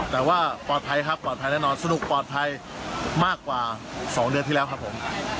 แต่ว่าปลอดภัยครับปลอดภัยแน่นอนสนุกปลอดภัยมากกว่า๒เดือนที่แล้วครับผม